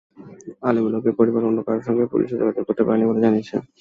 আলীমুল হকের পরিবারের অন্য কারও সঙ্গে পুলিশও যোগাযোগ করতে পারেনি বলে জানিয়েছে।